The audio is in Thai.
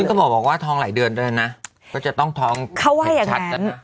ก็บอกว่าท้องหลายเดือนด้วยนะก็จะต้องท้องเขาว่าอย่างนั้น